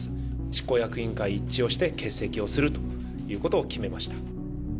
執行役員会一致をして欠席をするということを決めました。